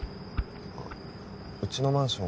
あっうちのマンション